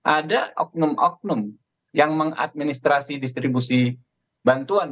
ada oknum oknum yang mengadministrasi distribusi bantuan